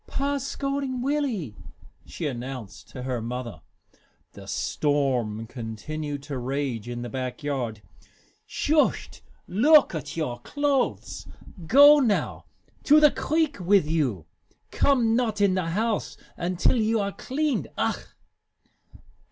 "Pa's scolding Willie," she announced to her mother. The storm continued to rage in the back yard. "Shust look at your clothes! Go now! To the creek wit' you! Come not in the house until you are cleaned. Ach!"